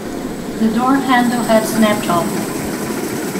The door handle had snapped off.